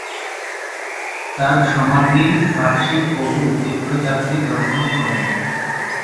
তার সমাধি বার্ষিক বহু তীর্থযাত্রী দর্শন করেন।